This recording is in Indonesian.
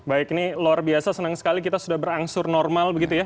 baik ini luar biasa senang sekali kita sudah berangsur normal begitu ya